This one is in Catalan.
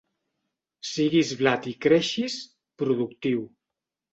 Siguis blat i creixis, productiu.